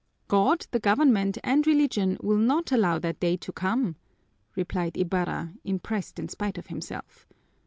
"God, the government, and Religion will not allow that day to come!" replied Ibarra, impressed in spite of himself.